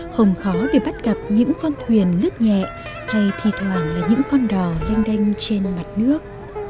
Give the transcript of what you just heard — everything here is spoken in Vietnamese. không khó để bắt gặp những con thuyền lướt nhẹ hay thi thoảng là những con đò lanh đanh trên mặt nước